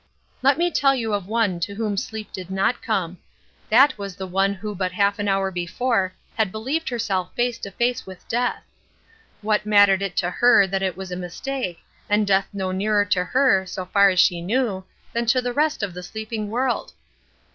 Let me tell you of one to whom sleep did not come. That was the one who but half an hour before had believed herself face to face with death! What mattered it to her that it was a mistake, and death no nearer to her, so far as she knew, than to the rest of the sleeping world?